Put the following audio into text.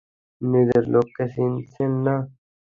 নিজের লোককে চিনছেন না?